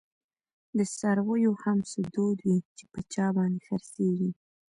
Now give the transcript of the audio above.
د څارویو هم څه دود وی، چی په چا باندي خر څیږی